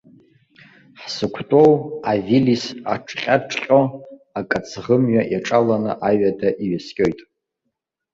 Ҳзықәтәоу авилис ҿҟьа-ҿҟьо акаӡӷы мҩа иаҿаланы аҩада иҩаскьоит.